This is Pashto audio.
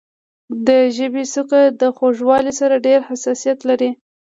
د ژبې څوکه له خوږوالي سره ډېر حساسیت لري.